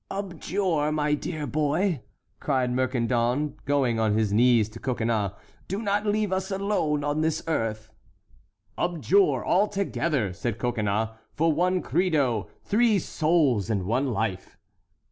"Abjure, my dear boy!" cried Mercandon, going on his knees to Coconnas; "do not leave us alone on the earth!" "Abjure all together," said Coconnas; "for one Credo, three souls and one life."